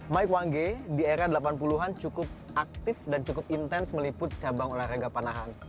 mike wangge di era delapan puluh an cukup aktif dan cukup intens meliput cabang olahraga panahan